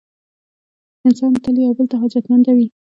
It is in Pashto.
انسانان تل یو بل ته حاجتمنده وي.